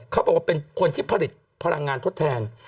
เขาบอกว่าเป็นคนที่ผลิตพลังงานทดแทน